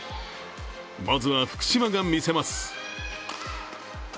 まずは福島が見せます。